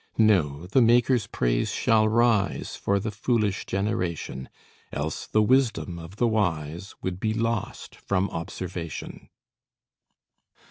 "No, the Maker's praise shall rise For the foolish generation; Else the wisdom of the wise Would be lost from observation!"